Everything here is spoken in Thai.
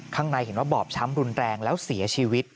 ข้างในเห็นว่าบอบช้ำรุนแรงแล้วเสียชีวิต